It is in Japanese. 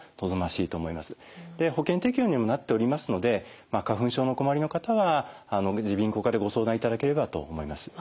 保険適用にもなっておりますので花粉症にお困りの方は耳鼻咽喉科でご相談いただければと思います。